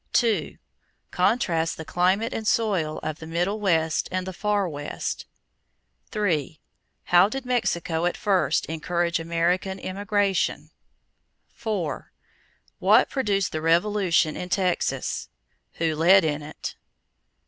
2. Contrast the climate and soil of the Middle West and the Far West. 3. How did Mexico at first encourage American immigration? 4. What produced the revolution in Texas? Who led in it?